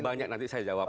banyak nanti saya jawab